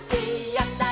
やった！